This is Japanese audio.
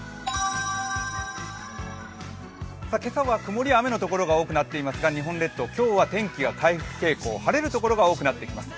今朝は曇り、雨の所が多くなっていますが日本列島、今日は天気が回復傾向、晴れる所が多くなってきます。